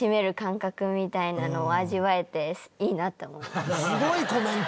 すごいコメント。